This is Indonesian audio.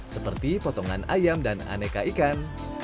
seperti potongan ayam dan aneka ikan